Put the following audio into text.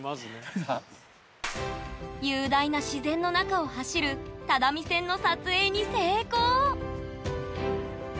雄大な自然の中を走る只見線の撮影に成功！